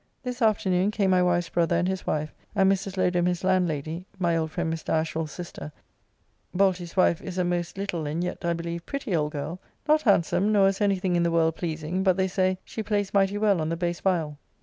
This afternoon came my wife's brother and his wife, and Mrs. Lodum his landlady (my old friend Mr. Ashwell's sister), Balty's wife is a most little and yet, I believe, pretty old girl, not handsome, nor has anything in the world pleasing, but, they say, she plays mighty well on the Base Violl.